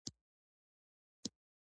نشې د انسان په مغز څه اغیزه کوي؟